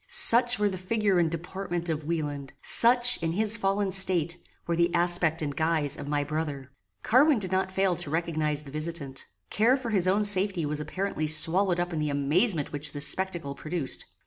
Such were the figure and deportment of Wieland! Such, in his fallen state, were the aspect and guise of my brother! Carwin did not fail to recognize the visitant. Care for his own safety was apparently swallowed up in the amazement which this spectacle produced.